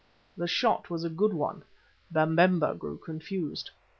The shot was a good one. Babemba grew confused.